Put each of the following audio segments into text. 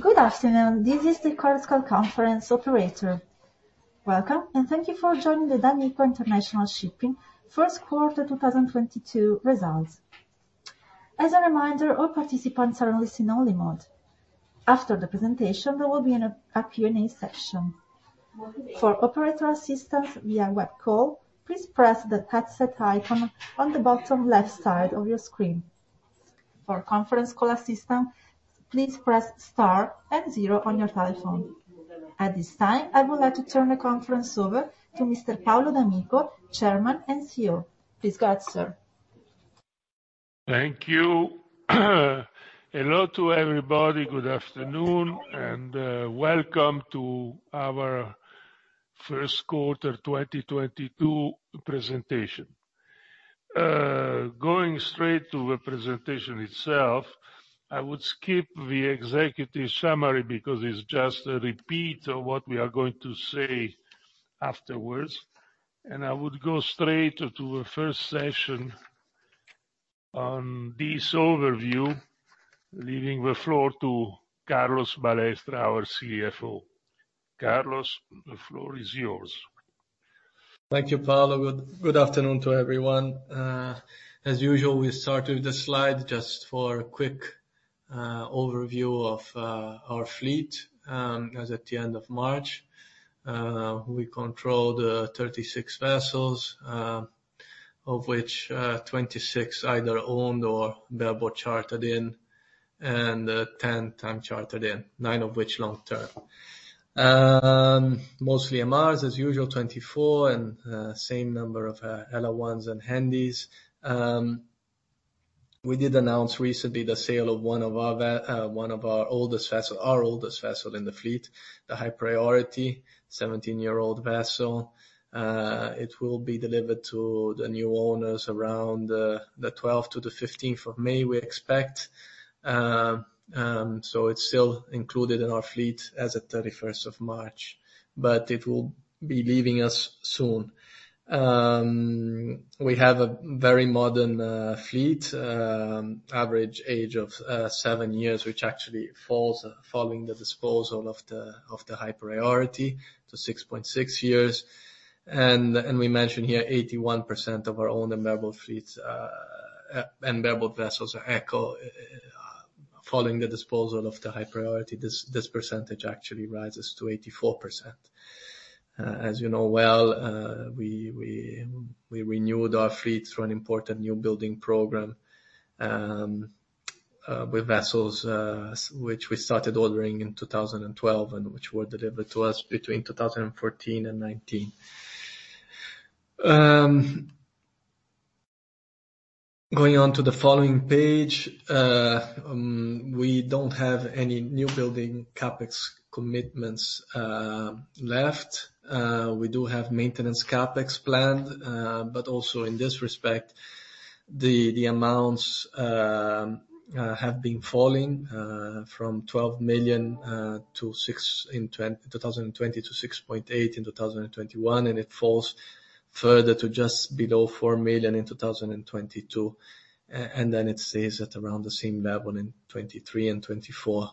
Good afternoon. This is the conference operator. Welcome, and thank you for joining the d'Amico International Shipping first quarter 2022 results. As a reminder, all participants are in listen-only mode. After the presentation, there will be a Q&A session. For operator assistance via web call, please press the headset icon on the bottom left side of your screen. For conference call assistance, please press star and zero on your telephone. At this time, I would like to turn the conference over to Mr. Paolo d'Amico, Chairman and CEO. Please go ahead, sir. Thank you. Hello to everybody. Good afternoon, and welcome to our first quarter 2022 presentation. Going straight to the presentation itself, I would skip the executive summary because it's just a repeat of what we are going to say afterwards, and I would go straight to the first session on this overview, leaving the floor to Carlos Balestra, our CFO. Carlos, the floor is yours. Thank you, Paolo. Good afternoon to everyone. As usual, we start with the slide just for a quick overview of our fleet, as at the end of March. We control 36 vessels, of which 26 either owned or bareboat chartered in, and 10 time chartered in, nine of which long-term. Mostly MRs as usual, 24, and same number of LR1s and Handysize. We did announce recently the sale of one of our oldest vessels in the fleet, the High Priority, 17-year-old vessel. It will be delivered to the new owners around of May 12th to 12th, we expect. It's still included in our fleet as of March 31st, but it will be leaving us soon. We have a very modern fleet, average age of seven years, which actually falls following the disposal of the High Priority to 6.6 years. We mentioned here 81% of our owned and bareboat fleets and bareboat vessels are ECO. Following the disposal of the High Priority, this percentage actually rises to 84%. As you know well, we renewed our fleet through an important newbuilding program with vessels which we started ordering in 2012, and which were delivered to us between 2014 and 2019. Going on to the following page, we don't have any newbuilding CapEx commitments left. We do have maintenance CapEx planned, but also in this respect, the amounts have been falling from $12 million in 2020 to $6.8 million in 2021, and it falls further to just below $4 million in 2022. It stays at around the same level in 2023 and 2024.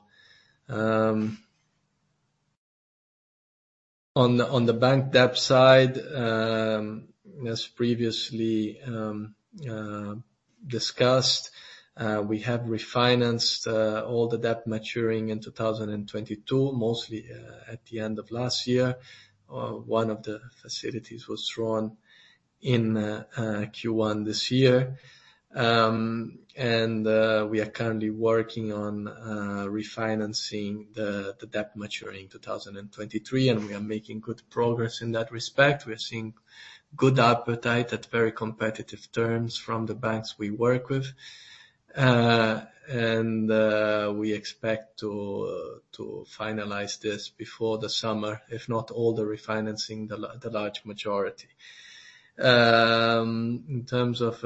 On the bank debt side, as previously discussed, we have refinanced all the debt maturing in 2022, mostly at the end of last year. One of the facilities was drawn in Q1 this year. We are currently working on refinancing the debt maturing in 2023, and we are making good progress in that respect. We're seeing good appetite at very competitive terms from the banks we work with. We expect to finalize this before the summer, if not all the refinancing, the large majority. In terms of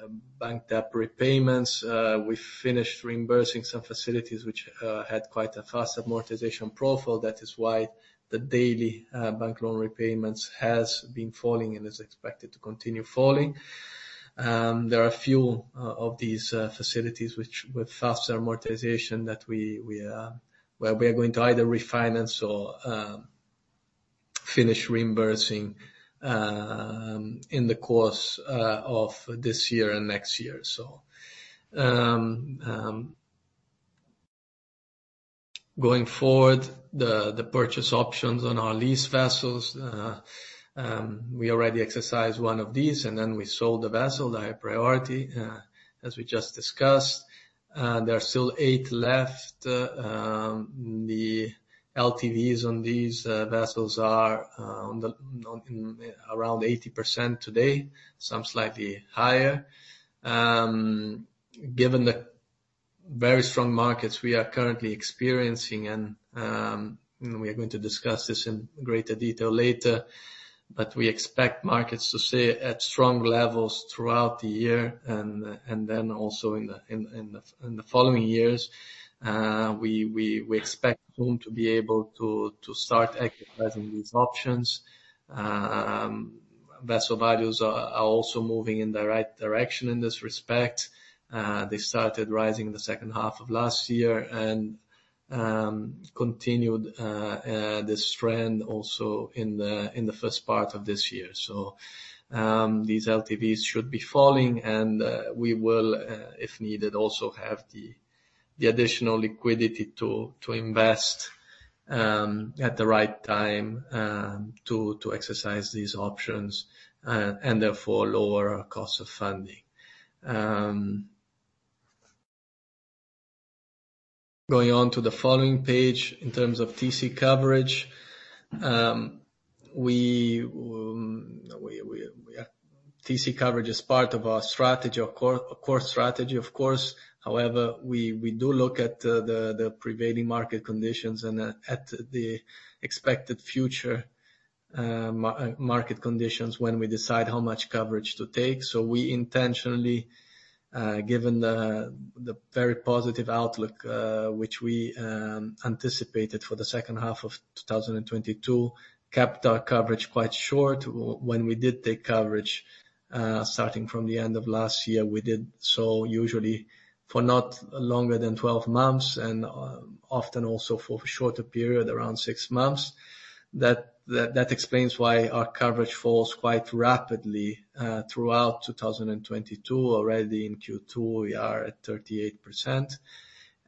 the bank debt repayments, we finished reimbursing some facilities which had quite a fast amortization profile. That is why the daily bank loan repayments has been falling and is expected to continue falling. There are a few of these facilities which have faster amortization that we, well, are going to either refinance or finish reimbursing in the course of this year and next year. Going forward, the purchase options on our lease vessels, we already exercised one of these, and then we sold the vessel, the High Priority, as we just discussed. There are still eight left. The LTVs on these vessels are around 80% today, some slightly higher. Given the very strong markets we are currently experiencing and we are going to discuss this in greater detail later, but we expect markets to stay at strong levels throughout the year and then also in the following years, we expect soon to be able to start exercising these options. Vessel values are also moving in the right direction in this respect. They started rising in the second half of last year and continued this trend also in the first part of this year. These LTVs should be falling and we will, if needed, also have the additional liquidity to invest at the right time to exercise these options and therefore lower our cost of funding. Going on to the following page, in terms of TC coverage, TC coverage is part of our strategy, our core strategy, of course. However, we do look at the prevailing market conditions and at the expected future market conditions when we decide how much coverage to take. We intentionally, given the very positive outlook, which we anticipated for the second half of 2022, kept our coverage quite short. When we did take coverage, starting from the end of last year, we did so usually for not longer than 12 months, and often also for a shorter period, around six months. That explains why our coverage falls quite rapidly throughout 2022. Already in Q2, we are at 38%.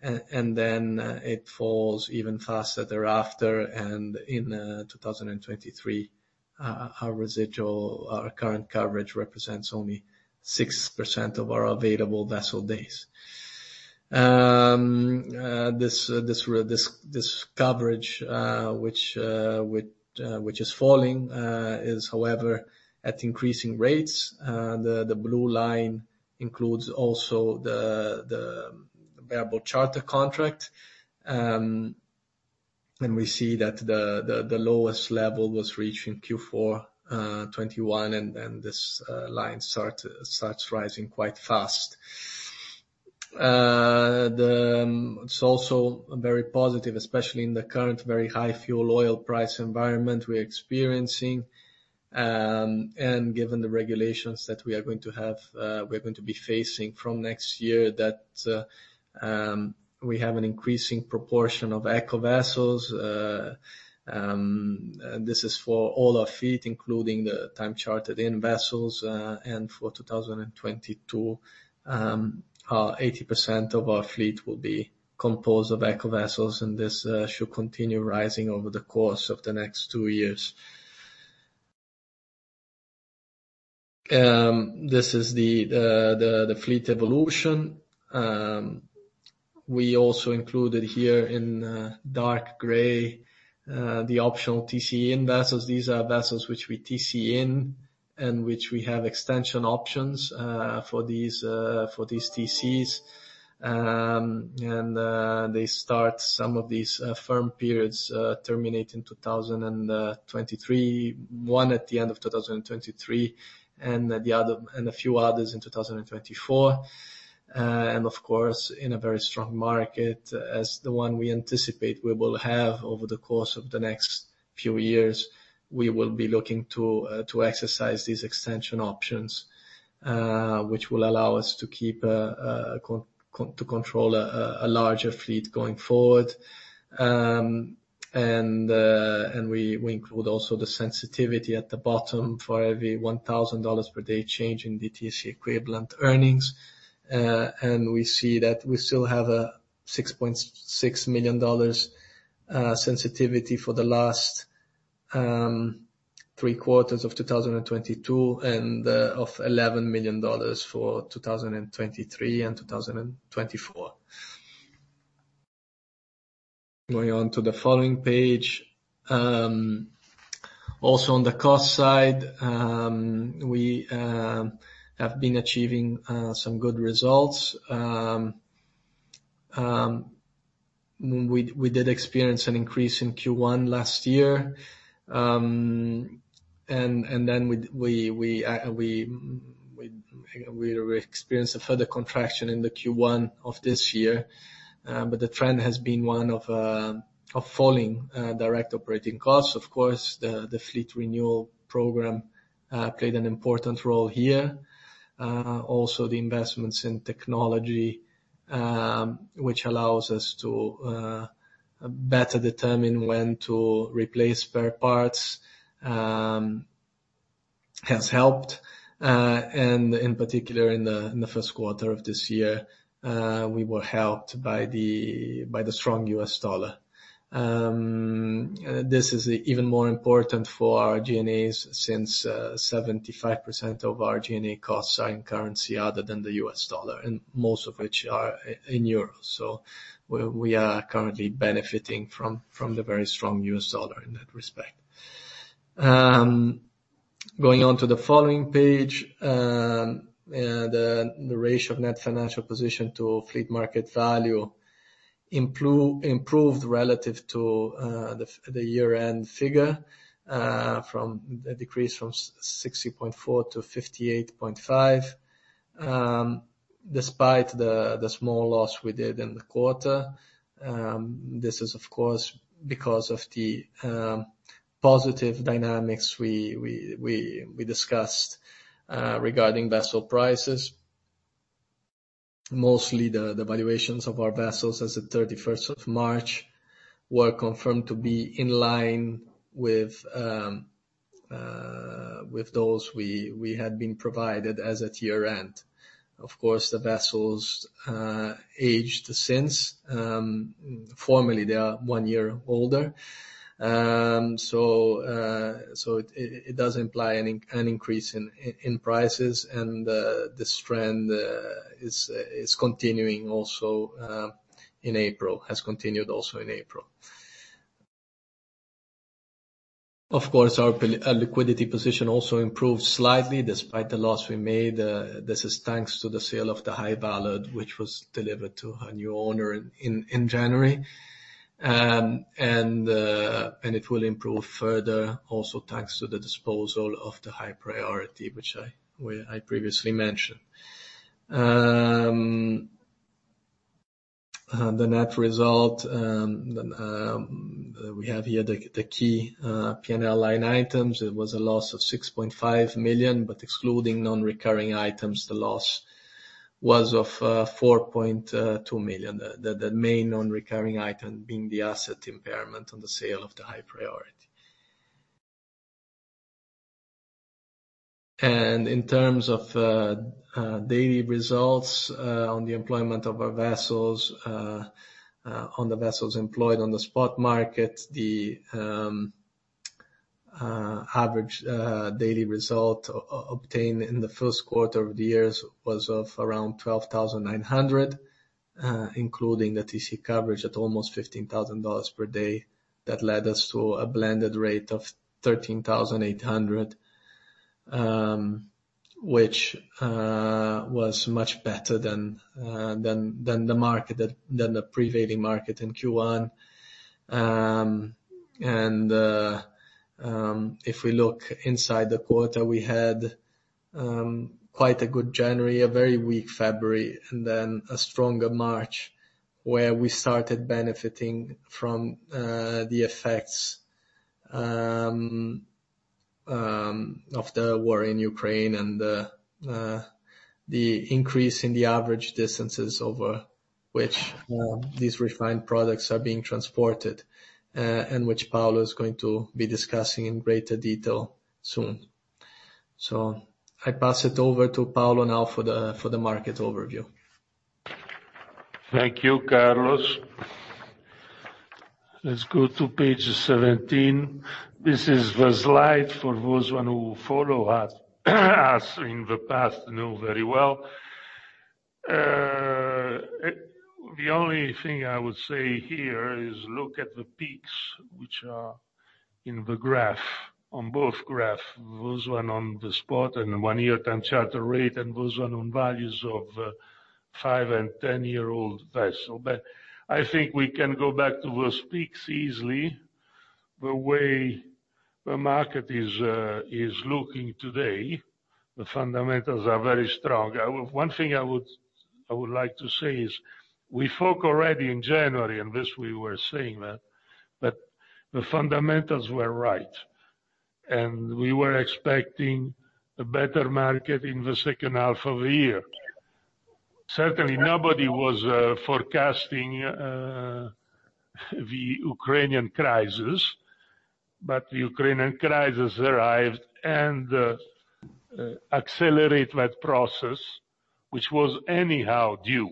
Then it falls even faster thereafter. In 2023, our residual, our current coverage represents only 6% of our available vessel days. This coverage, which is falling, is however at increasing rates. The blue line includes also the variable charter contract. We see that the lowest level was reached in Q4 2021, and then this line starts rising quite fast. It's also very positive, especially in the current very high fuel oil price environment we're experiencing. Given the regulations that we are going to have, we're going to be facing from next year, we have an increasing proportion of ECO vessels. This is for all our fleet, including the time chartered-in vessels. For 2022, 80% of our fleet will be composed of ECO vessels, and this should continue rising over the course of the next two years. This is the fleet evolution. We also included here in dark gray the optional TC-in vessels. These are vessels which we TC-in, and which we have extension options for these TCs. Some of these firm periods terminate in 2023. One at the end of 2023, and a few others in 2024. Of course, in a very strong market as the one we anticipate we will have over the course of the next few years, we will be looking to exercise these extension options. Which will allow us to continue to control a larger fleet going forward. We include also the sensitivity at the bottom for every $1,000 per day change in TC-in equivalent earnings. We see that we still have a $6.6 million sensitivity for the last three quarters of 2022, and of $11 million for 2023 and 2024. Going on to the following page. Also on the cost side, we have been achieving some good results. We did experience an increase in Q1 last year. Then we experienced a further contraction in the Q1 of this year. The trend has been one of falling direct operating costs. Of course, the fleet renewal program played an important role here. Also the investments in technology, which allows us to better determine when to replace spare parts, has helped. In particular, in the first quarter of this year, we were helped by the strong U.S. dollar. This is even more important for our G&As since 75% of our G&A costs are in currency other than the U.S. dollar, and most of which are in euro. We are currently benefiting from the very strong U.S. dollar in that respect. Going on to the following page. The ratio of net financial position to fleet market value improved relative to the year-end figure, from a decrease from 60.4%-58.5%. Despite the small loss we did in the quarter, this is of course because of the positive dynamics we discussed regarding vessel prices. Mostly the valuations of our vessels as of thirty-first of March were confirmed to be in line with those we had been provided as at year-end. Of course, the vessels aged since. Formally, they are one year older. So it does imply an increase in prices and this trend is continuing also in April. Has continued also in April. Of course, our liquidity position also improved slightly despite the loss we made. This is thanks to the sale of the High Ballad, which was delivered to a new owner in January. It will improve further also thanks to the disposal of the High Priority, which I previously mentioned. The net result, we have here the key P&L line items. It was a loss of $6.5 million, but excluding non-recurring items, the loss was of $4.2 million. The main non-recurring item being the asset impairment on the sale of the High Priority. In terms of daily results on the employment of our vessels, on the vessels employed on the spot market, the average daily result obtained in the first quarter of the year was around $12,900, including the TC coverage at almost $15,000 per day. That led us to a blended rate of $13,800, which was much better than the prevailing market in Q1. If we look inside the quarter, we had quite a good January, a very weak February, and then a stronger March where we started benefiting from the effects of the war in Ukraine and the increase in the average distances over which these refined products are being transported, and which Paolo is going to be discussing in greater detail soon. I pass it over to Paolo now for the market overview. Thank you, Carlos. Let's go to page 17. This is the slide for those who follow us in the past know very well. The only thing I would say here is look at the peaks which are in the graph, on both graphs. Those on the spot and one-year time charter rate, and those on values of, five- and 10-year-old vessel. I think we can go back to those peaks easily. The way the market is looking today, the fundamentals are very strong. One thing I would like to say is, we spoke already in January, and then we were saying that the fundamentals were right, and we were expecting a better market in the second half of the year. Certainly, nobody was forecasting the Ukrainian crisis, but the Ukrainian crisis arrived and accelerated that process, which was anyhow due.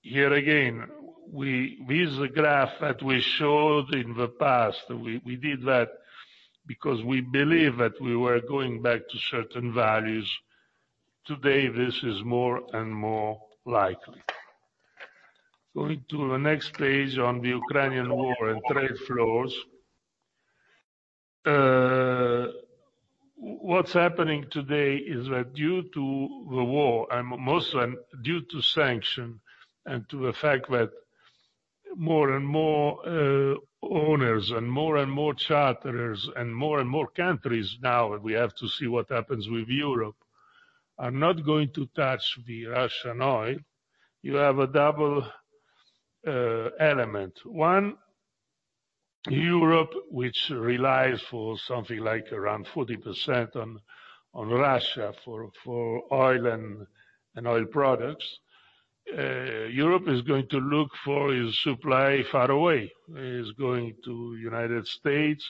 Here again, with the graph that we showed in the past, we did that because we believe that we were going back to certain values. Today, this is more and more likely. Going to the next page on the Ukrainian war and trade flows. What's happening today is that due to the war, and mostly due to sanctions and to the fact that more and more owners and more and more charterers and more and more countries now, we have to see what happens with Europe, are not going to touch the Russian oil. You have a double element. One, Europe, which relies for something like around 40% on Russia for oil and oil products. Europe is going to look for its supply far away. It is going to United States,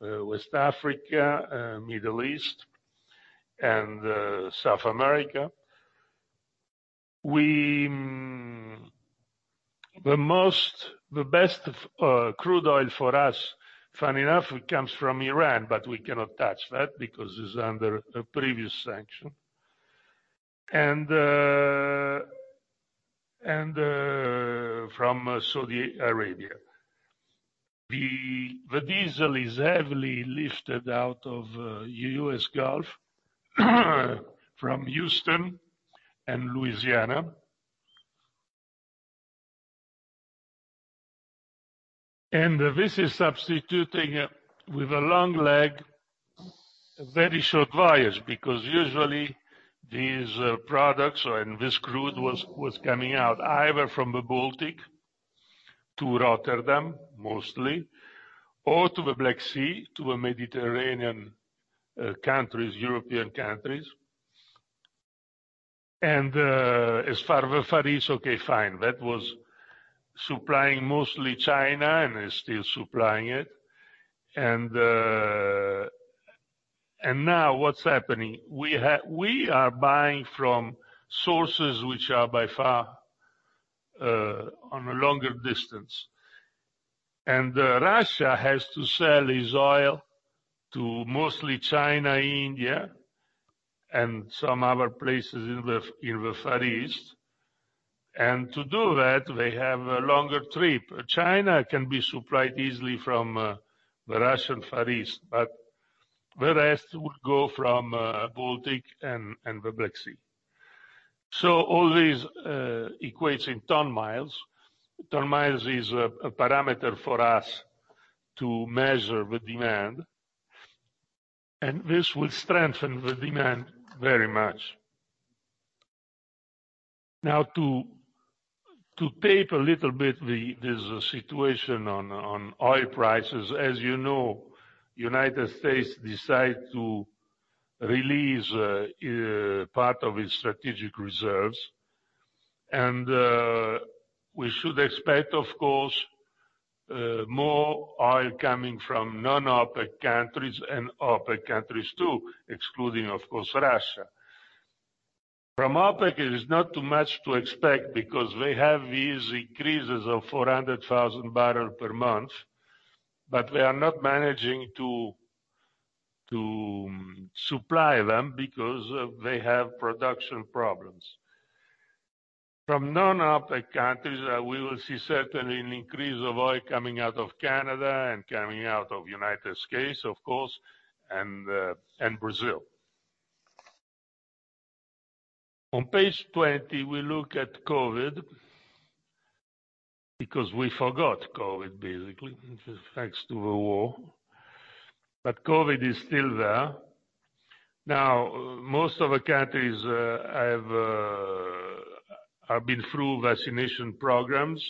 West Africa, Middle East, and South America. The most, the best crude oil for us, funny enough, it comes from Iran, but we cannot touch that because it's under a previous sanction, and from Saudi Arabia. The diesel is heavily lifted out of U.S. Gulf, from Houston and Louisiana. This is substituting with a long leg, very short voyage, because usually these products and this crude was coming out either from the Baltic to Rotterdam, mostly, or to the Black Sea, to the Mediterranean countries, European countries. As for the Far East, okay, fine. That was supplying mostly China and is still supplying it. Now what's happening, we are buying from sources which are by far on a longer distance. Russia has to sell its oil to mostly China, India, and some other places in the Far East. To do that, they have a longer trip. China can be supplied easily from the Russian Far East, but the rest would go from Baltic and the Black Sea. All these equates to ton-miles. Ton-miles is a parameter for us to measure the demand, and this will strengthen the demand very much. Now to temper a little bit this situation on oil prices. As you know, United States decide to release part of its strategic reserves. We should expect, of course, more oil coming from non-OPEC countries and OPEC countries too, excluding, of course, Russia. From OPEC, it is not too much to expect because they have these increases of 400,000 bbl per month, but they are not managing to supply them because they have production problems. From non-OPEC countries, we will see certainly an increase of oil coming out of Canada and coming out of United States, of course, and Brazil. On page 20, we look at COVID-19, because we forgot COVID-19, basically, thanks to the war. COVID-19 is still there. Now, most of the countries have been through vaccination programs,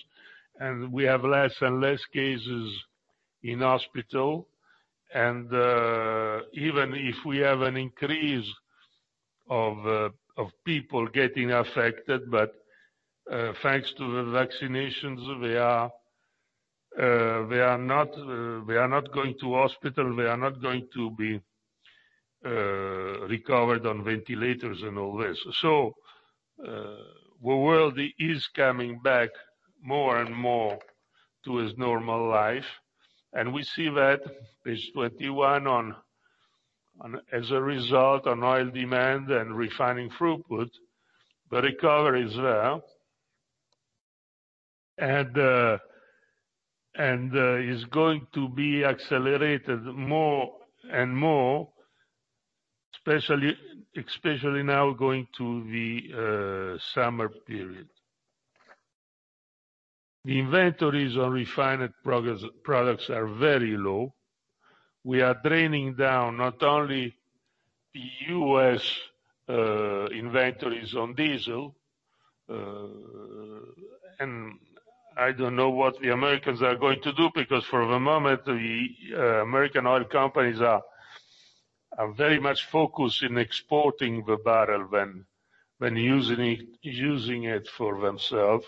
and we have less and less cases in hospital. Even if we have an increase of people getting affected, but thanks to the vaccinations, they are not going to hospital, they are not going to be recovered on ventilators and all this. The world is coming back more and more to its normal life. We see that on page 21, as a result of oil demand and refining throughput, the recovery is there and is going to be accelerated more and more, especially now going to the summer period. The inventories on refined products are very low. We are draining down not only the U.S. inventories on diesel, and I don't know what the Americans are going to do, because for the moment, the American oil companies are very much focused in exporting the barrel than using it for themselves.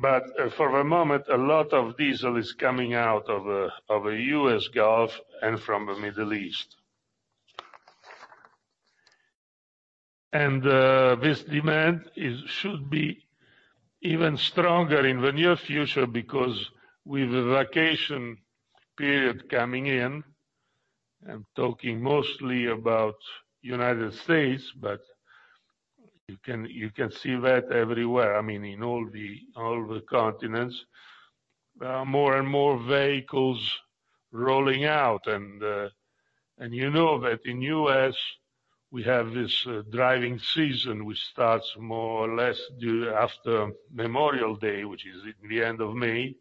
For the moment, a lot of diesel is coming out of the U.S. Gulf and from the Middle East. This demand should be even stronger in the near future because with the vacation period coming in, I'm talking mostly about United States, but you can see that everywhere, I mean, in all the continents. More and more vehicles rolling out. You know that in U.S., we have this driving season which starts more or less after Memorial Day, which is in the end of May.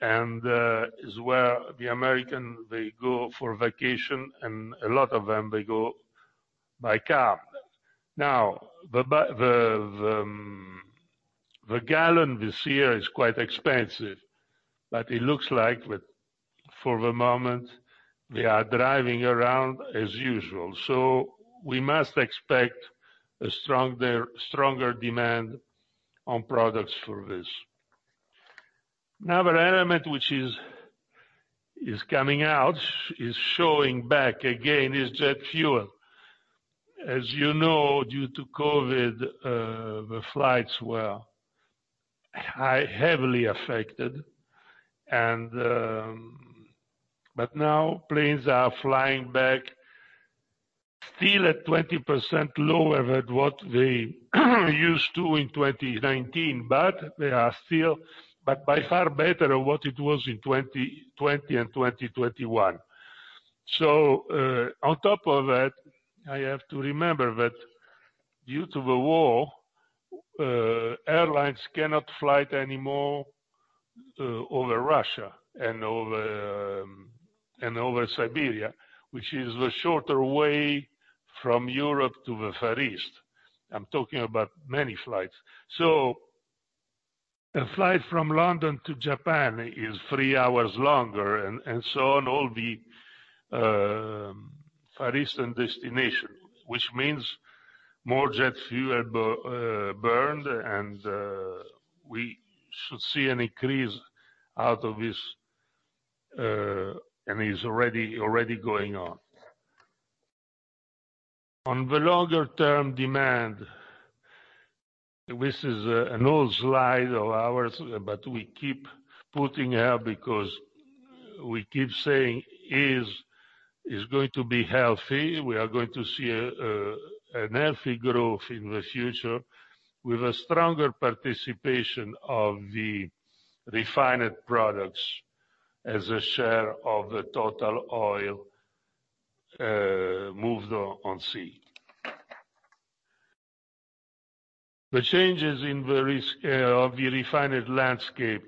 It is where the Americans, they go for vacation, and a lot of them, they go by car. Now, the gallon this year is quite expensive, but it looks like for the moment, they are driving around as usual. We must expect a stronger demand on products for this. Now, the element which is coming out, is showing back again is jet fuel. As you know, due to COVID-19, the flights were heavily affected and Planes are flying back, still at 20% lower than what they used to in 2019, but they are still, but by far better than what it was in 2020 and 2021. On top of that, I have to remember that due to the war, airlines cannot fly anymore over Russia and over Siberia, which is the shorter way from Europe to the Far East. I'm talking about many flights. A flight from London to Japan is three hours longer and so on all the Far Eastern destination, which means more jet fuel burned and we should see an increase out of this and is already going on. On the longer term demand, this is an old slide of ours, but we keep putting it because we keep saying it is going to be healthy. We are going to see a healthy growth in the future with a stronger participation of the refined products as a share of the total oil moved on sea. The changes in the refinery landscape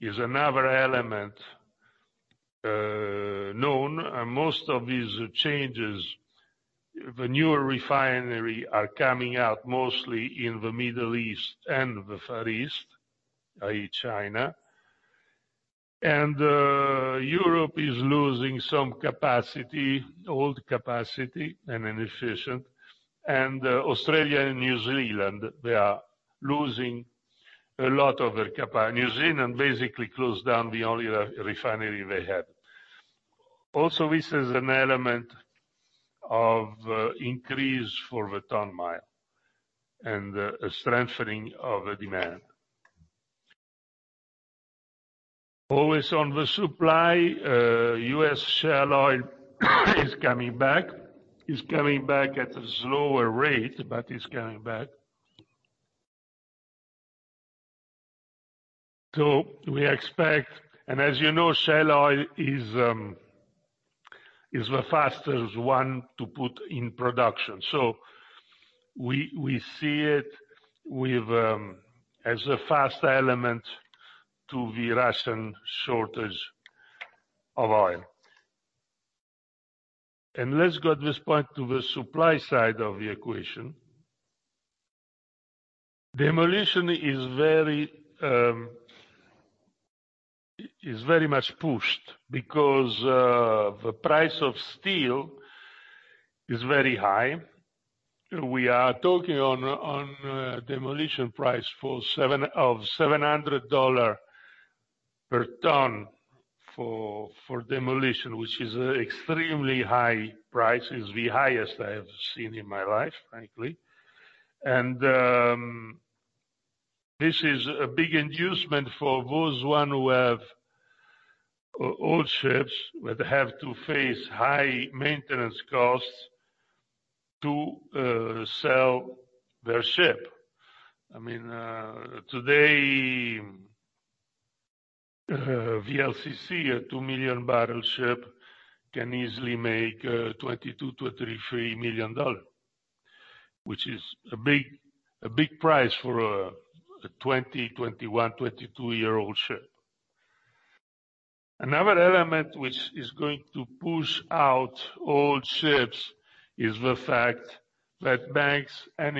is another element known. Most of these changes, the newer refinery are coming out mostly in the Middle East and the Far East, i.e., China. Europe is losing some capacity, old capacity and inefficient. Australia and New Zealand, they are losing a lot of their capacity. New Zealand basically closed down the only refinery they had. This is an element of increase for the ton-mile and a strengthening of the demand. Always on the supply, U.S. shale oil is coming back. It's coming back at a slower rate, but it's coming back. We expect. As you know, shale oil is the fastest one to put in production. We see it as a fast element to the Russian shortage of oil. Let's go at this point to the supply side of the equation. Demolition is very much pushed because the price of steel is very high. We are talking of demolition price of $700 per ton, which is extremely high price. It's the highest I have seen in my life, frankly. This is a big inducement for those who have old ships, but have to face high maintenance costs to sell their ship. I mean, today, VLCC, a 2 million bbl ship, can easily make $22 million-$33 million, which is a big price for a 20-, 21-, 22-year-old ship. Another element which is going to push out old ships is the fact that banks are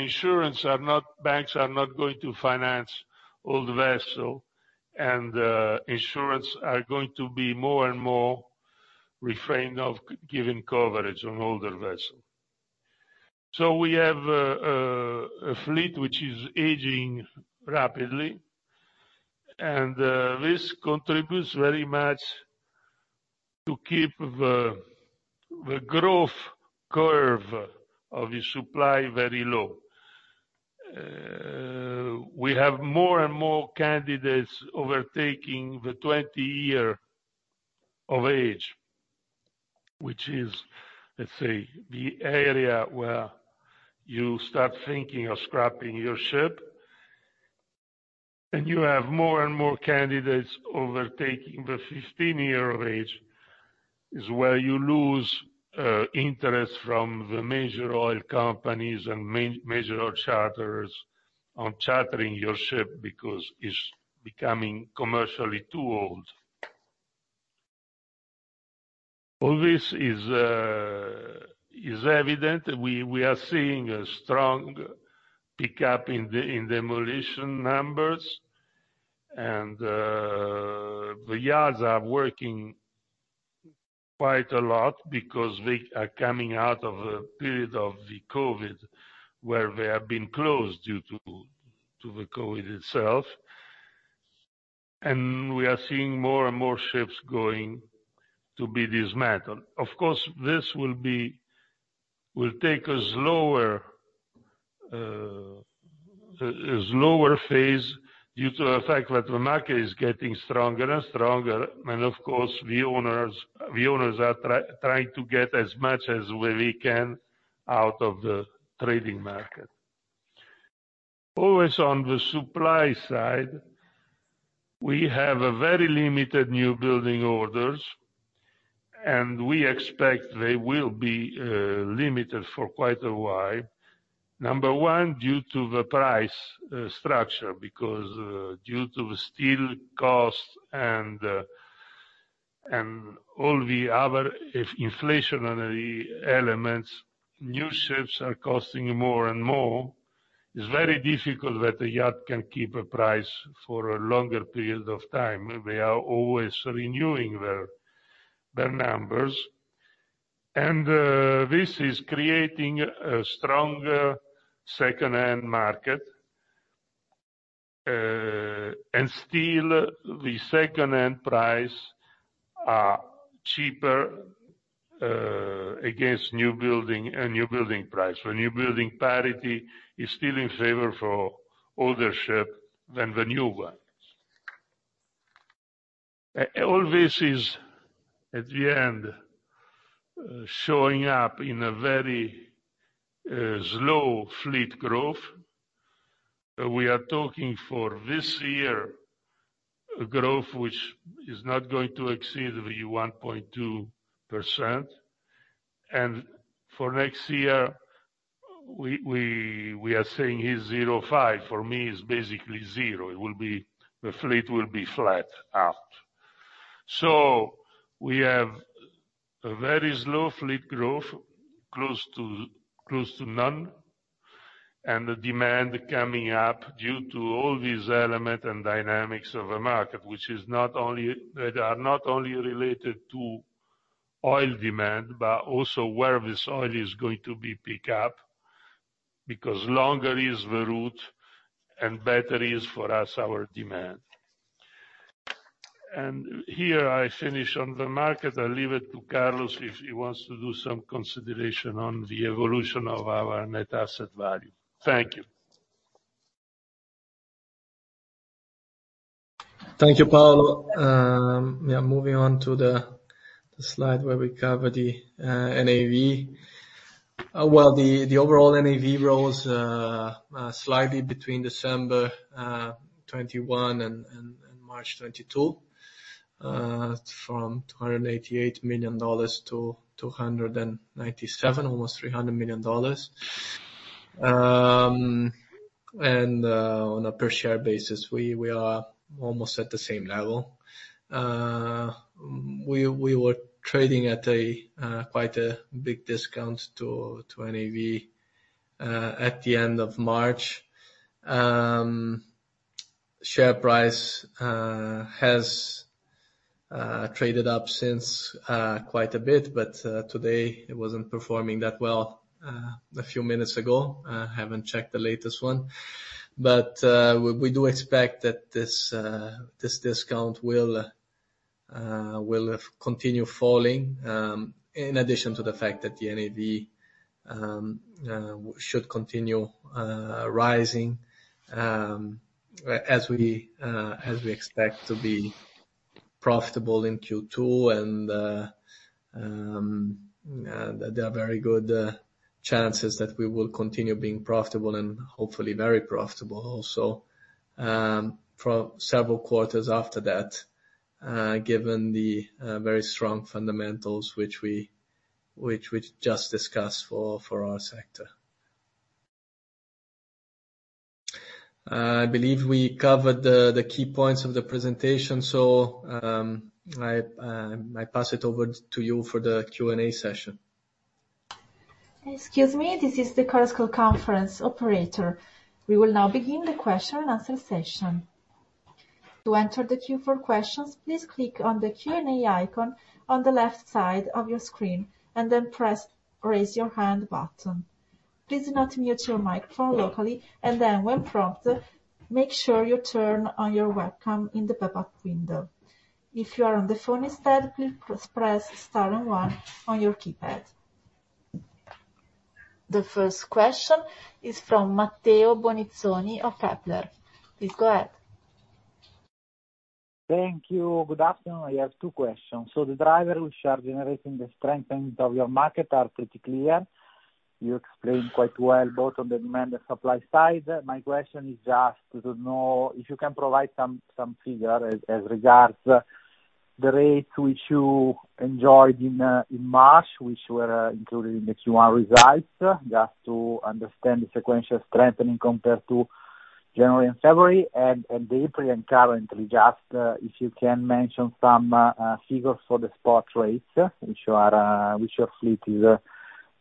not going to finance old vessel, and insurance are going to be more and more refrain from giving coverage on older vessel. We have a fleet which is aging rapidly, and this contributes very much to keep the growth curve of the supply very low. We have more and more candidates overtaking the 20 year of age, which is, let's say, the area where you start thinking of scrapping your ship. You have more and more candidates overtaking the 15-year age is where you lose interest from the major oil companies and major oil charters on chartering your ship because it's becoming commercially too old. All this is evident. We are seeing a strong pickup in demolition numbers. The yards are working quite a lot because they are coming out of a period of the COVID-19, where they have been closed due to the COVID-19 itself. We are seeing more and more ships going to be dismantled. Of course, this will take a slower phase due to the fact that the market is getting stronger and stronger. Of course, the owners are trying to get as much as where they can out of the trading market. Always on the supply side, we have a very limited newbuilding orders, and we expect they will be limited for quite a while. Number one, due to the price structure because due to the steel costs and the and all the other inflationary elements, new ships are costing more and more. It's very difficult that a shipyard can keep a price for a longer period of time. They are always renewing their numbers. This is creating a stronger secondhand market. Still, the secondhand price are cheaper against newbuilding, a newbuilding price. Newbuilding parity is still in favor for older ship than the new ones. All this is, at the end, showing up in a very slow fleet growth. We are talking for this year, growth which is not going to exceed the 1.2%. For next year, we are saying is 0.5%. For me, it's basically zero. It will be. The fleet will be flat out. We have a very slow fleet growth, close to none, and the demand coming up due to all these elements and dynamics of the market, which are not only related to oil demand, but also where this oil is going to be picked up, because longer is the route and better is for us, our demand. Here I finish on the market. I leave it to Carlos if he wants to do some considerations on the evolution of our net asset value. Thank you. Thank you, Paolo. Yeah, moving on to the slide where we cover the NAV. Well, the overall NAV rose slightly between December 2021 and March 2022, from $288 million-$297 million, almost $300 million. On a per share basis, we are almost at the same level. We were trading at quite a big discount to NAV at the end of March. Share price has traded up since quite a bit, but today it wasn't performing that well a few minutes ago. Haven't checked the latest one. We do expect that this discount will continue falling, in addition to the fact that the NAV should continue rising, as we expect to be profitable in Q2, and there are very good chances that we will continue being profitable and hopefully very profitable also for several quarters after that, given the very strong fundamentals which we just discussed for our sector. I believe we covered the key points of the presentation. I pass it over to you for the Q&A session. Excuse me, this is the Chorus Call conference operator. We will now begin the question and answer session. To enter the queue for questions, please click on the Q&A icon on the left side of your screen, and then press Raise Your Hand button. Please mute your microphone locally. When prompted, make sure you turn on your webcam in the pop-up window. If you are on the phone instead, please press star and one on your keypad. The first question is from Matteo Bonizzoni of Kepler. Please go ahead. Thank you. Good afternoon. I have two questions. The drivers which are generating the strengthening of your market are pretty clear. You explained quite well both on the demand and supply side. My question is just to know if you can provide some figure as regards the rates which you enjoyed in March, which were included in the Q1 results, just to understand the sequential strengthening compared to January and February and April and currently, just if you can mention some figures for the spot rates which your fleet is experiencing.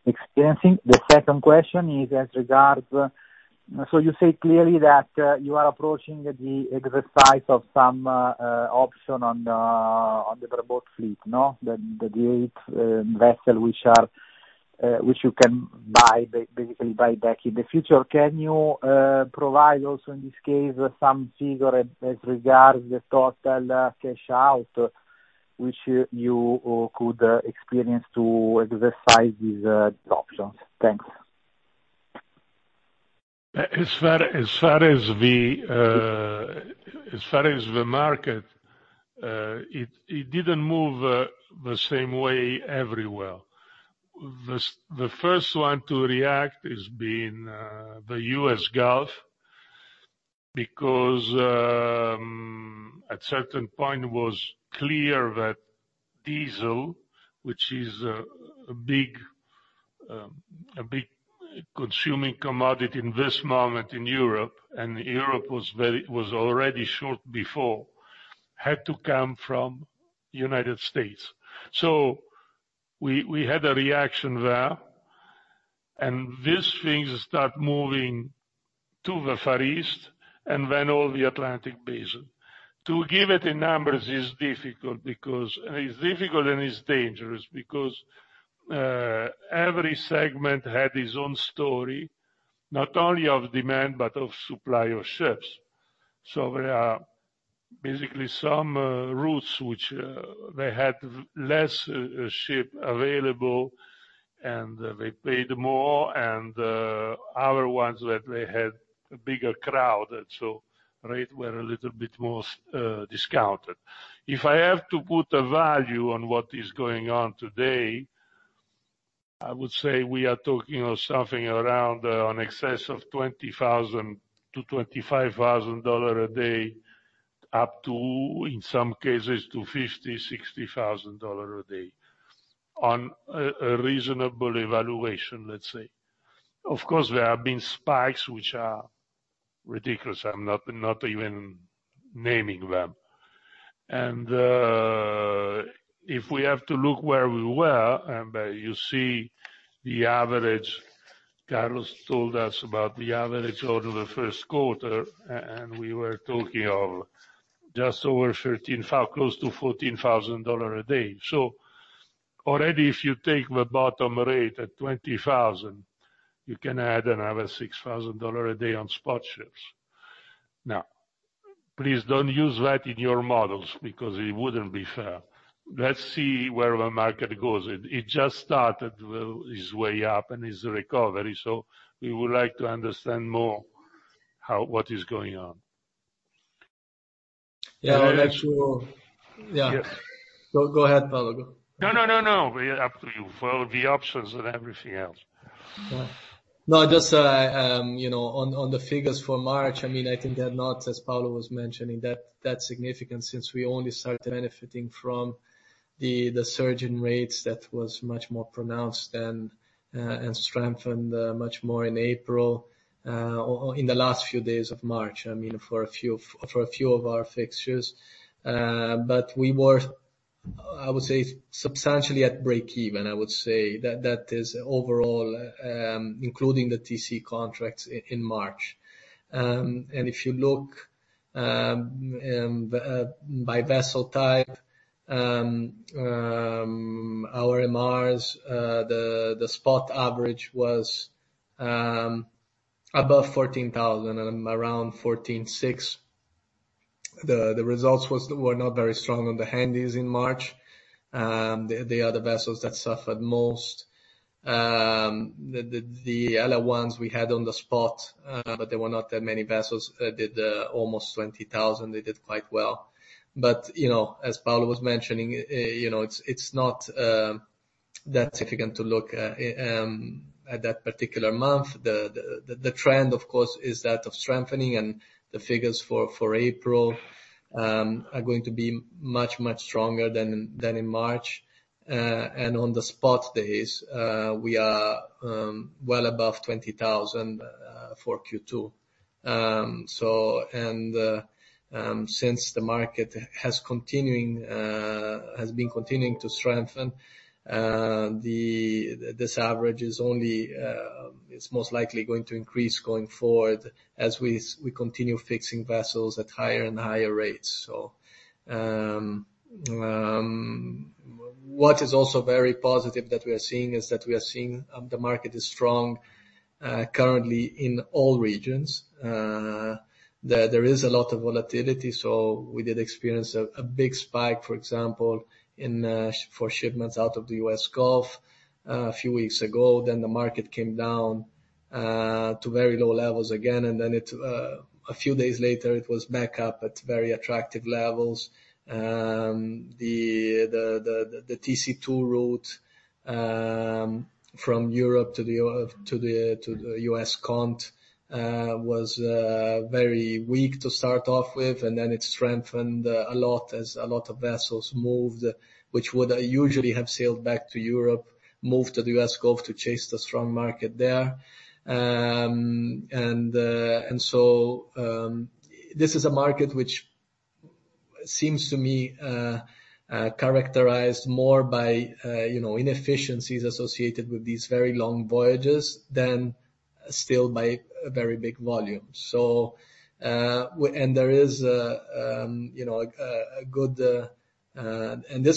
The second question is as regards. You say clearly that you are approaching the exercise of some option on the bareboat fleet, no? The eight vessels which you can buy back basically in the future. Can you provide also, in this case, some figures as regards the total cash out which you could experience to exercise these options? Thanks. As far as the market, it didn't move the same way everywhere. The first one to react is the U.S. Gulf because at a certain point it was clear that diesel, which is a big consuming commodity at this moment in Europe, and Europe was already short before, had to come from United States. We had a reaction there, and these things start moving to the Far East and then all the Atlantic Basin. To give it in numbers is difficult because it's difficult and it's dangerous because every segment had its own story, not only of demand, but of supply of ships. There are basically some routes which they had less ships available, and they paid more, and other ones that they had a bigger crowd. Rates were a little bit more discounted. If I have to put a value on what is going on today, I would say we are talking of something around an excess of $20,000-$25,000 a day, up to, in some cases, $50,000-$60,000 a day on a reasonable evaluation, let's say. Of course, there have been spikes which are ridiculous. I'm not even naming them. If we have to look where we were, you see the average, Carlos told us about the average over the first quarter, and we were talking of just over 13,000 or close to 14,000 dollars a day. Already, if you take the bottom rate at $20,000, you can add another $6,000 a day on spot ships. Now, please don't use that in your models because it wouldn't be fair. Let's see where the market goes. It just started its way up and its recovery, so we would like to understand more how what is going on. Yeah. Yes. Yeah. Go ahead, Paolo. Go. No, no, no. We are up to you for the options and everything else. No, just you know, on the figures for March, I mean, I think they're not, as Paolo was mentioning, that significant since we only started benefiting from the surge in rates that was much more pronounced and strengthened much more in April or in the last few days of March, I mean, for a few of our fixtures. We were, I would say, substantially at breakeven, I would say. That is overall, including the TC contracts in March. If you look by vessel type, our MRs, the spot average was above $14,000 and around $14,600. The results were not very strong on the Handysize in March. They are the vessels that suffered most. The other ones we had on the spot, but there were not that many vessels, did almost $20,000. They did quite well. You know, as Paolo was mentioning, you know, it's not that significant to look at that particular month. The trend, of course, is that of strengthening and the figures for April are going to be much stronger than in March. On the spot days, we are well above $20,000 for Q2. Since the market has been continuing to strengthen, this average is only, it's most likely going to increase going forward as we continue fixing vessels at higher and higher rates. What is also very positive that we are seeing is that the market is strong currently in all regions. There is a lot of volatility, so we did experience a big spike, for example, for shipments out of the U.S. Gulf a few weeks ago. The market came down to very low levels again, and a few days later, it was back up at very attractive levels. The TC2 route from Europe to the U.S. continent was very weak to start off with, and then it strengthened a lot as a lot of vessels moved, which would usually have sailed back to Europe, moved to the U.S. Gulf to chase the strong market there. This is a market which seems to me characterized more by you know, inefficiencies associated with these very long voyages than still by a very big volume. This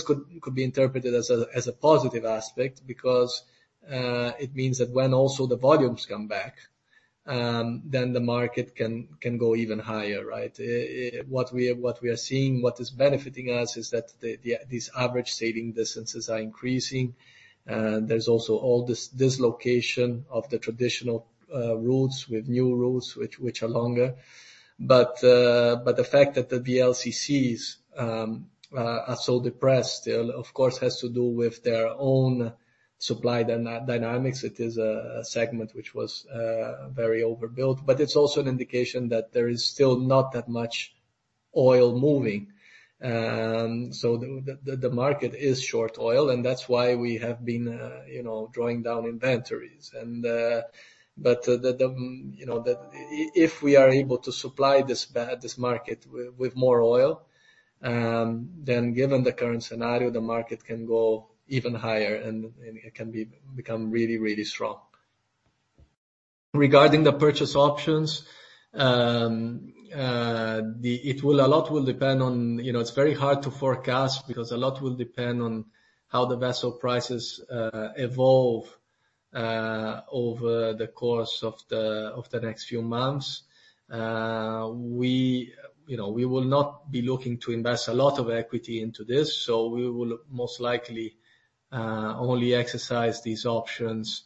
could be interpreted as a positive aspect because it means that when also the volumes come back then the market can go even higher, right? What we are seeing is what is benefiting us is that these average sailing distances are increasing. There's also all this dislocation of the traditional routes with new routes which are longer. The fact that the VLCCs are so depressed, of course, has to do with their own supply dynamics. It is a segment which was very overbuilt, but it's also an indication that there is still not that much oil moving. The market is short oil, and that's why we have been, you know, drawing down inventories. If we are able to supply this market with more oil, then given the current scenario, the market can go even higher, and it can become really, really strong. Regarding the purchase options, it will. A lot will depend on, you know, it's very hard to forecast because a lot will depend on how the vessel prices evolve over the course of the next few months. We, you know, we will not be looking to invest a lot of equity into this, so we will most likely only exercise these options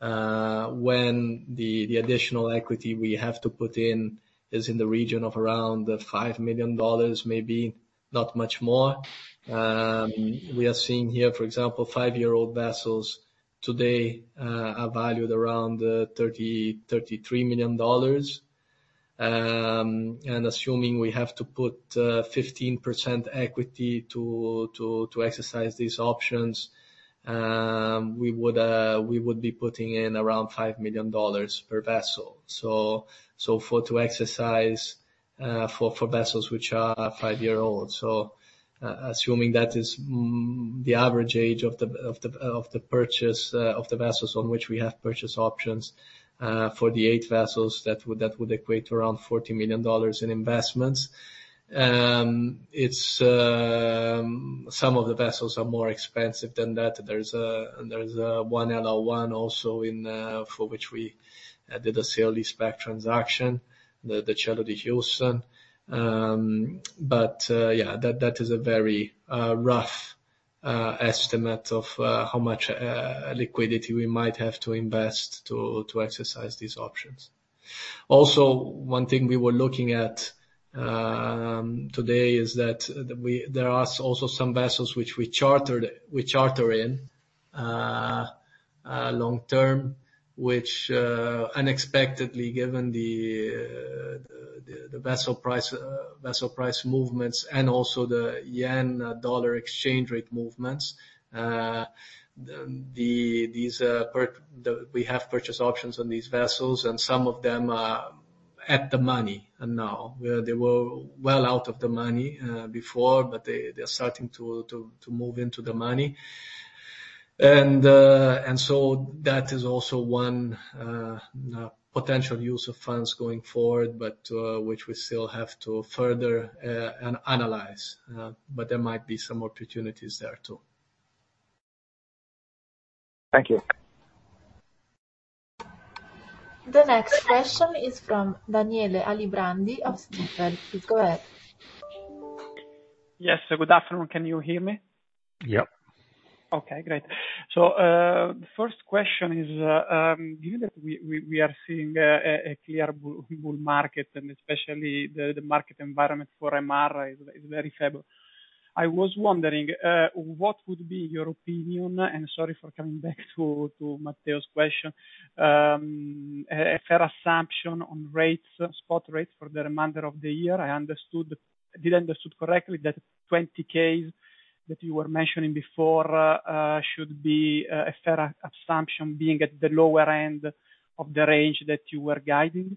when the additional equity we have to put in is in the region of around $5 million, maybe not much more. We are seeing here, for example, five-year-old vessels today are valued around $33 million. And assuming we have to put 15% equity to exercise these options, we would be putting in around $5 million per vessel. So for vessels which are five years old. Assuming that is the average price of the purchase of the vessels on which we have purchase options for the eight vessels, that would equate to around $40 million in investments. It's some of the vessels are more expensive than that. There's one LR1 also for which we did a sale leaseback transaction, the Cielo di Houston. But that is a very rough estimate of how much liquidity we might have to invest to exercise these options. Also, one thing we were looking at today is that we. There are also some vessels which we charter in long term, which unexpectedly, given the vessel price movements and also the yen dollar exchange rate movements, we have purchase options on these vessels, and some of them are at the money now. They were well out of the money before, but they're starting to move into the money. That is also one potential use of funds going forward, which we still have to further analyze. There might be some opportunities there too. Thank you. The next question is from Daniele Alibrandi of Stifel. Please go ahead. Yes. Good afternoon. Can you hear me? Yep. The first question is, given that we are seeing a clear bull market, and especially the market environment for MR is very favorable, I was wondering what your opinion would be, and sorry for coming back to Matteo's question, a fair assumption on rates, spot rates for the remainder of the year. Did I understand correctly that $20,000 that you were mentioning before should be a fair assumption, being at the lower end of the range that you were guiding?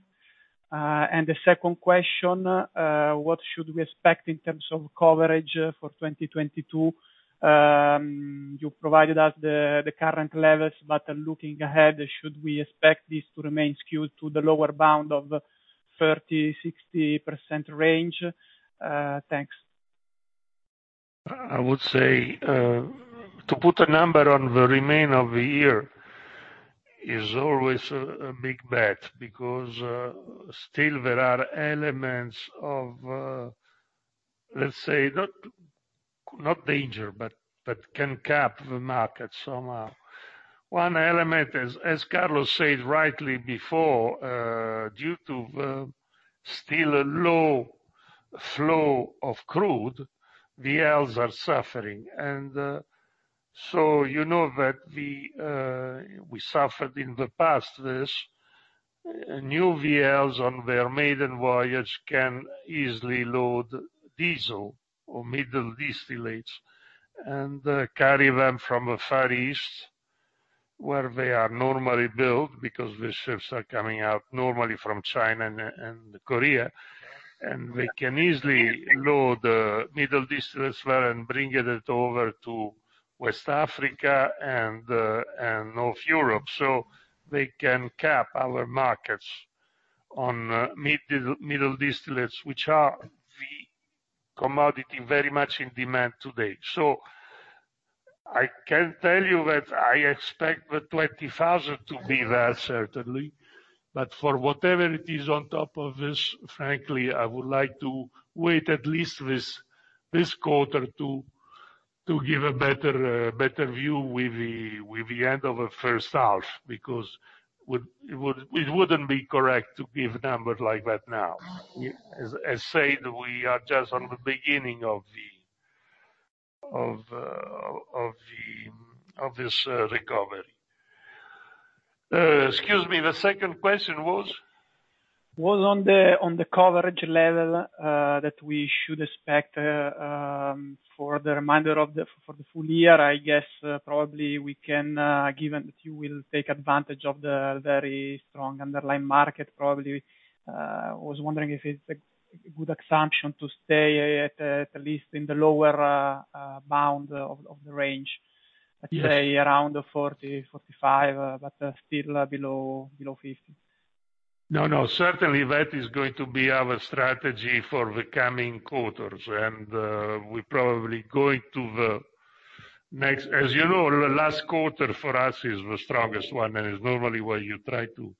And the second question, what should we expect in terms of coverage for 2022? You provided us the current levels, but looking ahead, should we expect this to remain skewed to the lower bound of 30%-60% range? Thanks. I would say to put a number on the remainder of the year is always a big bet because still there are elements of, let's say, not danger, but can cap the market somehow. One element is, as Carlos said rightly before, due to still a low flow of crude, VLCCs are suffering. So, you know that we suffered in the past this. New VLCCs on their maiden voyage can easily load diesel or middle distillates and carry them from the Far East, where they are normally built, because the ships are coming out normally from China and Korea. They can easily load the middle distillates well and bring it over to West Africa and North Europe, so they can capture our markets on middle distillates, which are the commodity very much in demand today. I can tell you that I expect the 20,000 to be there, certainly. For whatever it is on top of this, frankly, I would like to wait at least this quarter to give a better view with the end of the first half, because it wouldn't be correct to give numbers like that now. As said, we are just on the beginning of this recovery. Excuse me, the second question was? What is the coverage level that we should expect for the full year, I guess. Probably we can, given that you will take advantage of the very strong underlying market, probably. I was wondering if it's a good assumption to stay at least in the lower bound of the range. Yes. Let's say around the 40-45, but still below 50. No, no, certainly that is going to be our strategy for the coming quarters. We probably going to the next. As you know, the last quarter for us is the strongest one, and it's normally where you try to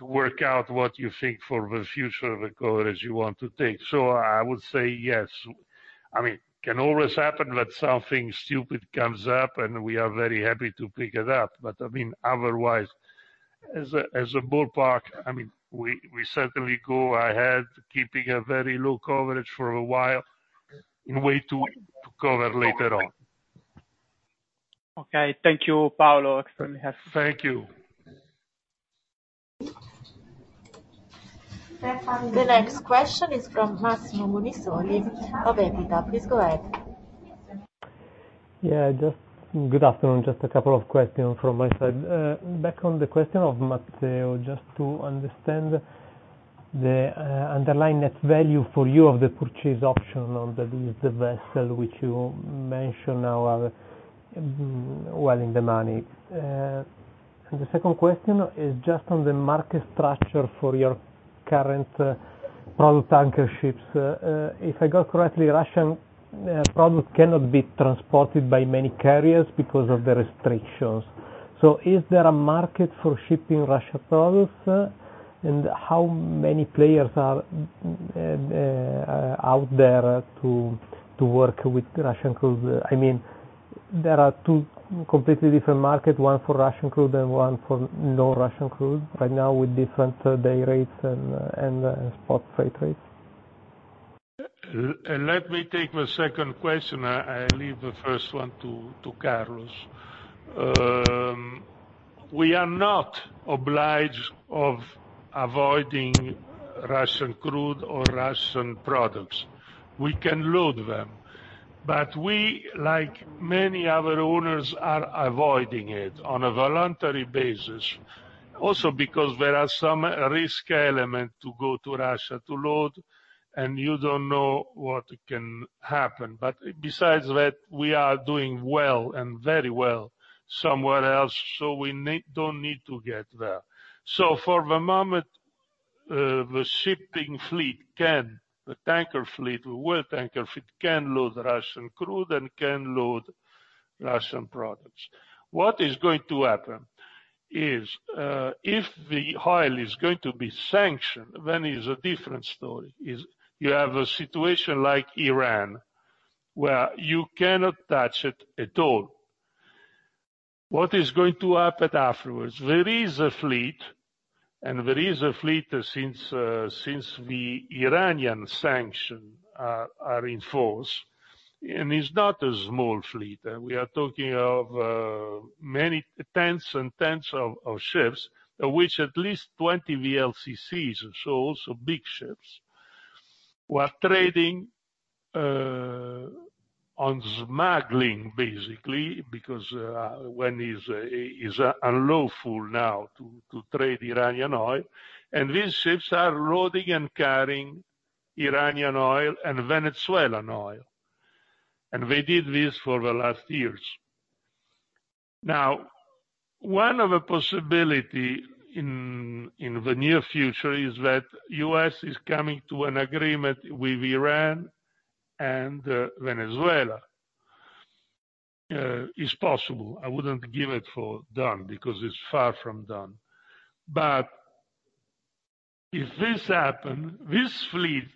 work out what you think for the future of the coverage you want to take. I would say yes. I mean, can always happen that something stupid comes up, and we are very happy to pick it up. I mean, otherwise, as a ballpark, I mean, we certainly go ahead keeping a very low coverage for a while and wait to cover later on. Okay. Thank you, Paolo. Extremely helpful. Thank you. The next question is from Massimo Bonisoli of Equita. Please go ahead. Good afternoon, just a couple of questions from my side. Back on the question of Matteo, just to understand the underlying net value for you of the purchase option on the vessel which you mentioned, now are well in the money. The second question is just on the market structure for your current product tanker ships. If I got it correctly, Russian product cannot be transported by many carriers because of the restrictions. Is there a market for shipping Russian products? And how many players are out there to work with Russian crude? I mean, there are two completely different markets, one for Russian crude and one for non-Russian crude right now with different day rates and spot freight rates. Let me take the second question. I leave the first one to Carlos. We are not obliged to avoiding Russian crude or Russian products. We can load them. We, like many other owners, are avoiding it on a voluntary basis. Because there are some risk elements to go to Russia to load, and you don't know what can happen. Besides that, we are doing well and very well somewhere else, so we don't need to get there. For the moment, the world tanker fleet can load Russian crude and can load Russian products. What is going to happen is, if the oil is going to be sanctioned, then is a different story, is you have a situation like Iran, where you cannot touch it at all. What is going to happen afterwards? There is a fleet since the Iranian sanctions are in force, and it's not a small fleet. We are talking of many tens and tens of ships, which at least 20 VLCCs, so also big ships, were trading on smuggling, basically, because it is unlawful now to trade Iranian oil. These ships are loading and carrying Iranian oil and Venezuelan oil. They did this for the last years. Now, one possibility in the near future is that U.S. is coming to an agreement with Iran and Venezuela. It's possible. I wouldn't take it for granted because it's far from done. If this happen, this fleet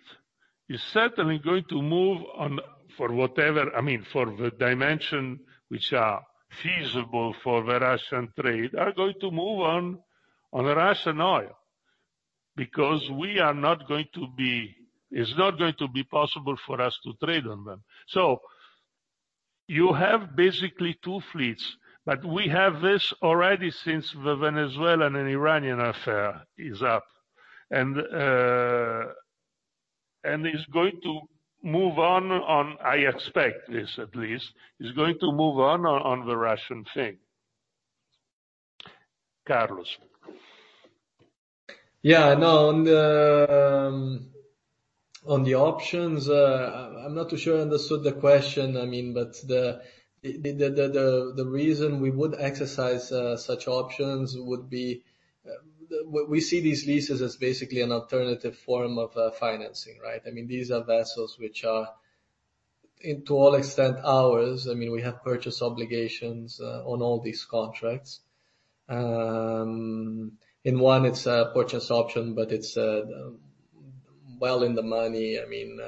is certainly going to move on for whatever. I mean, for the dimensions which are feasible for the Russian trade, are going to move on Russian oil. Because we are not going to be. It's not going to be possible for us to trade on them. You have basically two fleets, but we have this already since the Venezuelan and Iranian affairs are up. It's going to move on, I expect this at least, on the Russian thing. Carlos? Yeah. No, on the options, I'm not too sure I understood the question. I mean, but the reason we would exercise such options would be the. We see these leases as basically an alternative form of financing, right? I mean, these are vessels which are, to all extents, ours. I mean, we have purchase obligations on all these contracts. In one it's a purchase option, but it's well in the money. I mean,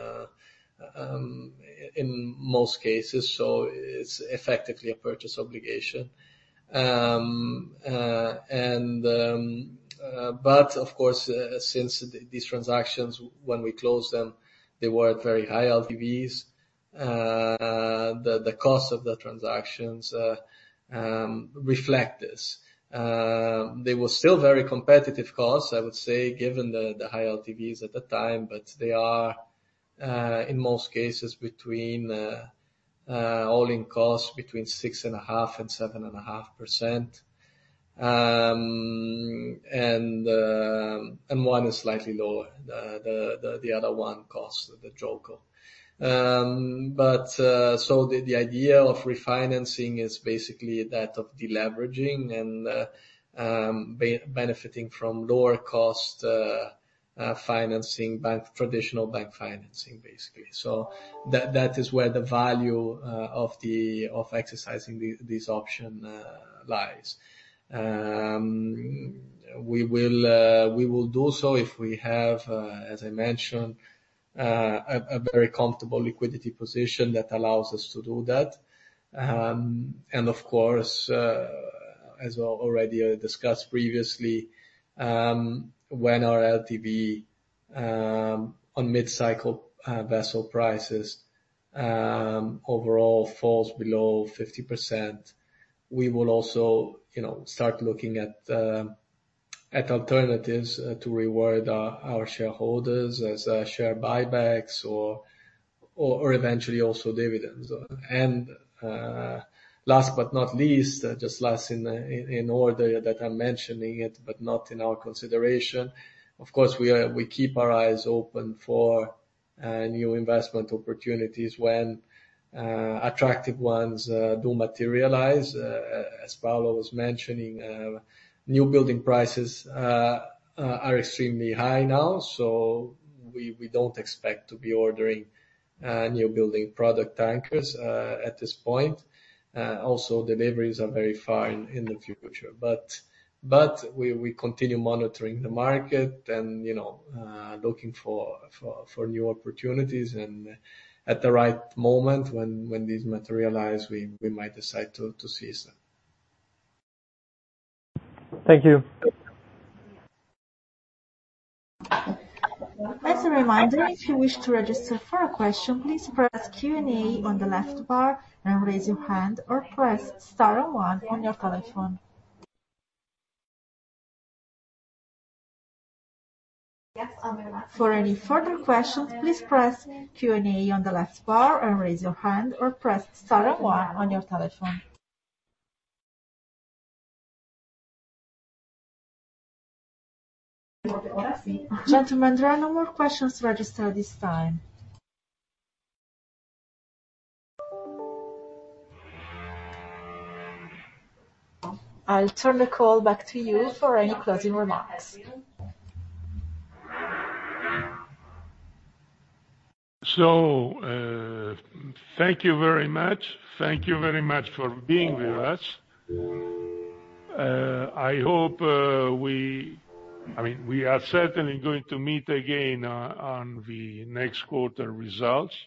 in most cases. It's effectively a purchase obligation. Of course, since these transactions, when we closed them, they were at very high LTVs. The cost of the transactions reflects this. They were still very competitive costs, I would say, given the high LTVs at the time, but they are in most cases between all-in costs between 6.5% and 7.5%. One is slightly lower. The other one costs, the JOLCO. The idea of refinancing is basically that of deleveraging and benefiting from lower cost financing bank, traditional bank financing, basically. That is where the value of exercising this option lies. We will do so if we have, as I mentioned, a very comfortable liquidity position that allows us to do that. Of course, as already discussed previously, when our LTV on mid-cycle vessel prices overall falls below 50%, we will also, you know, start looking at alternatives to reward our shareholders as share buybacks or eventually also dividends. Last but not least, just last in the order that I'm mentioning it, but not in our consideration, of course, we keep our eyes open for new investment opportunities when attractive ones do materialize. As Paolo was mentioning, newbuilding prices are extremely high now, so we don't expect to be ordering newbuilding product tankers at this point. Also deliveries are very far in the future. We continue monitoring the market and, you know, looking for new opportunities. At the right moment when these materialize, we might decide to seize them. Thank you. As a reminder, if you wish to register for a question, please press Q&A on the left bar and raise your hand or press star one on your telephone. For any further questions, please press Q&A on the left bar and raise your hand or press star one on your telephone. Gentlemen, there are no more questions registered at this time. I'll turn the call back to you for any closing remarks. Thank you very much. Thank you very much for being with us. I hope, I mean, we are certainly going to meet again on the next quarter results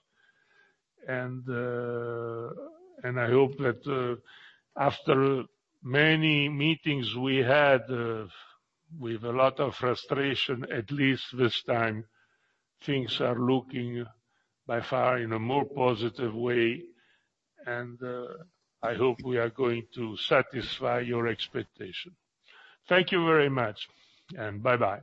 and I hope that, after many meetings we had, with a lot of frustration, at least this time, things are looking by far in a more positive way. I hope we are going to satisfy your expectation. Thank you very much and bye-bye.